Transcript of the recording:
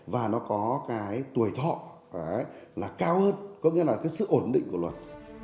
và nó có cái tuổi thọ là cao hơn có nghĩa là cái sự ổn định của luật